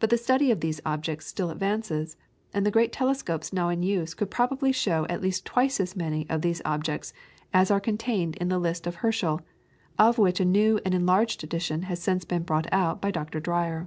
But the study of these objects still advances, and the great telescopes now in use could probably show at least twice as many of these objects as are contained in the list of Herschel, of which a new and enlarged edition has since been brought out by Dr. Dreyer.